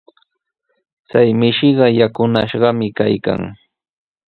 Chay mishiqa yakunashqami kaykan.